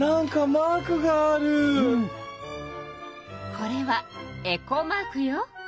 これはエコマークよ。